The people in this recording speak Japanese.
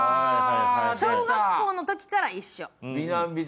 小学校のときから一緒。